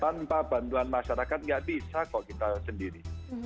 tanpa bantuan masyarakat nggak bisa kok kita sendiri